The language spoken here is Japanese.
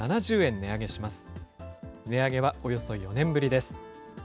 値上げはおよそ４年ぶりです。